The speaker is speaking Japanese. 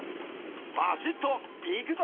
バシっといくぞ！